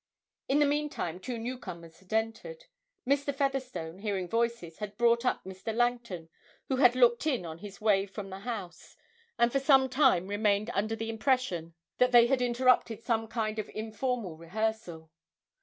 In the meantime two newcomers had entered. Mr. Featherstone, hearing voices, had brought up Mr. Langton, who had 'looked in' on his way from the House, and for some time remained under the impression that they had interrupted some kind of informal rehearsal.